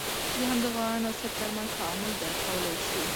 د همدغو عناصر تر منځ تعامل درک کولای شو.